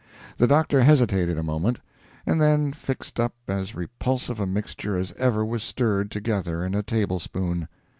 The Doctor hesitated a moment, and then fixed up as repulsive a mixture as ever was stirred together in a table spoon.